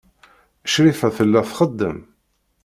Crifa tella txeddem.